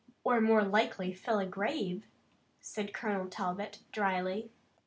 "Or more likely fill a grave," said Colonel Talbot, dryly.